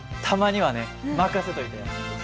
たまにはね。任せといて！